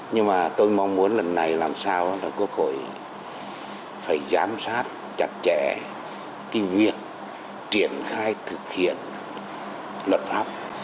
nhưng mà tôi mong muốn lần này làm sao là quốc hội phải giám sát chặt chẽ cái việc triển khai thực hiện luật pháp